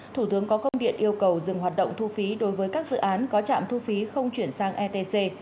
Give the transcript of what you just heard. thủ tướng có công điện yêu cầu dừng hoạt động thu phí đối với các dự án có trạm thu phí không chuyển sang etc